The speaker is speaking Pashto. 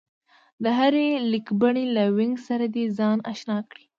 د هرې لیکبڼې له وينګ سره دې ځان اشنا کړي